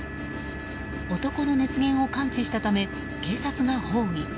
男の熱源を感知したため警察が包囲。